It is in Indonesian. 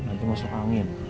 nanti masuk angin